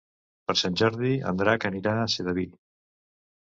Per Sant Jordi en Drac anirà a Sedaví.